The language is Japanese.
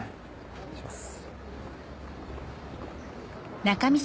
失礼します。